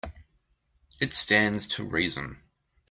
It stands to reason.